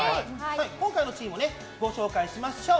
今回のチーム、ご紹介しましょう。